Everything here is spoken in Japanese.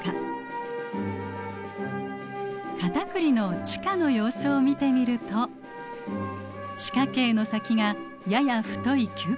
カタクリの地下の様子を見てみると地下茎の先がやや太い球根になっています。